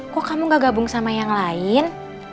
kok kamu gak gabung sama yang lain